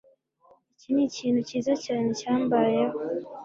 iki nikintu cyiza cyane cyambayeho